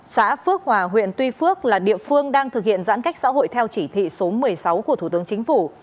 xã phước hòa huyện tuy phước là địa phương đang thực hiện giãn cách xã hội theo chỉ thị số một mươi sáu của thủ tướng chính phủ